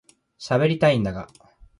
しゃべりたいんだが